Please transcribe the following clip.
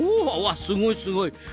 わっすごいすごい。